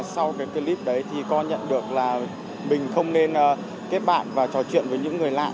sau cái clip đấy thì con nhận được là mình không nên kết bạn và trò chuyện với những người lạ